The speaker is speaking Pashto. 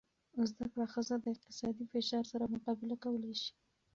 زده کړه ښځه د اقتصادي فشار سره مقابله کولی شي.